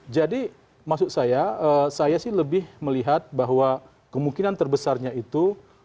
jadi maksud saya saya sih lebih melihat bahwa kemungkinan terbesarnya itu